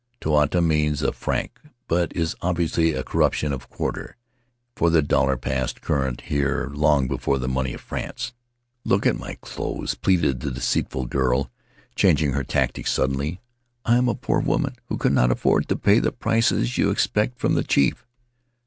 ("Toata" means a franc, but is obviously a corruption of quarter, for the dollar passed current here long before the money of France.) "Look at my clothes," pleaded the deceitful girl, changing her tactics suddenly. "I am a poor woman who cannot afford to pay the prices you expect from the chief.